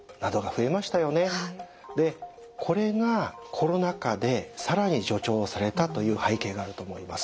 でこれがコロナ化で更に助長されたという背景があると思います。